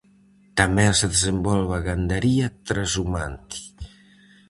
Tamén se desenvolve a gandaría transhumante.